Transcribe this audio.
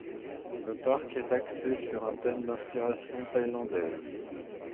Le parc est axé sur un thème d'inspiration thaïlandaise.